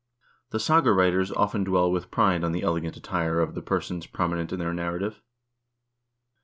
The saga writers often dwell with pride on the elegant attire of the persons prominent in their narrative.